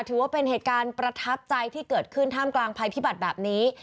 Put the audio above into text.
ถือว่าเป็นเหตุการณ์ประทับใจที่เกิดขึ้นท่ามกลางภัยพิบัติแบบนี้